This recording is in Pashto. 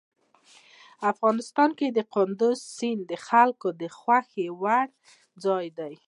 افغانستان کې کندز سیند د خلکو د خوښې وړ ځای دی.